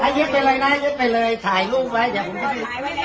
ยึดไปเลยนะยึดไปเลยถ่ายรูปไว้เดี๋ยวผมค่อย